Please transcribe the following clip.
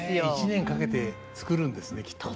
１年かけて作るんですねきっと。